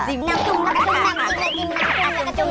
จุ่มน้ำจิ้มน้ำจิ้มแล้วก็จุ่มจำจิ้ม